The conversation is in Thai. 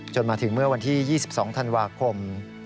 มาถึงเมื่อวันที่๒๒ธันวาคม